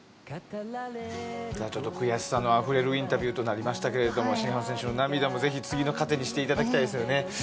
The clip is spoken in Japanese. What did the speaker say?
悔しさのあふれるインタビューとなりましたが新濱選手の涙も、ぜひ次の糧にしていただきたいですよね。